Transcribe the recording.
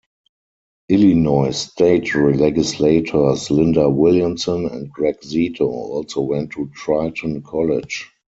Illinois state legislators Linda Williamson and Greg Zito also went to Triton College.